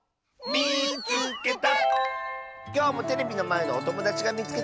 「みいつけた！」。